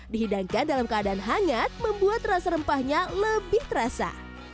dihidangkan dalam keadaan hangat membuat rasa rempahnya lebih terasa